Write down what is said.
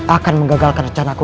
akan menggagalkan rencanaku